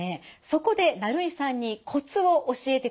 そこで成井さんにコツを教えていただきました。